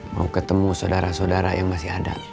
mau ketemu saudara saudara yang masih ada